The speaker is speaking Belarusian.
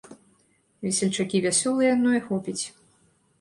Весельчакі вясёлыя, ну і хопіць.